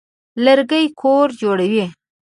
لرګي کور جوړوي.